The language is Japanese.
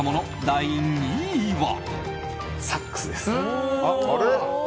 第２位は。